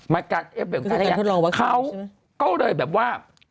มาจากเอฟเฟคต์ของการให้ยาเขาก็เลยแบบว่า